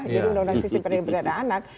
jadi undang undang sistem peradilan pidana anak